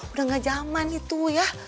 udah enggak jaman itu ya